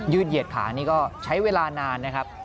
เหยียดขานี่ก็ใช้เวลานานนะครับ